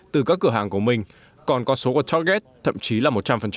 từ các cửa hàng của mình còn có số của tortes thậm chí là một trăm linh